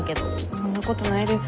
そんなことないです。